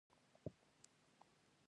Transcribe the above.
شتمن خلک له اخلاص سره مرسته کوي.